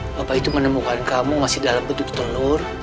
bapak itu menemukan kamu masih dalam bentuk telur